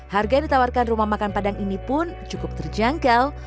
harga yang ditawarkan rumah makan padang ini pun cukup terjangkau